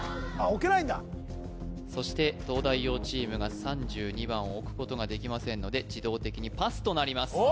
置けないんだそして東大王チームが３２番を置くことができませんので自動的にパスとなります